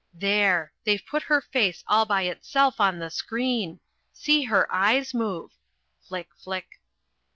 There! They've put her face all by itself on the screen. See her eyes move! Flick, flick!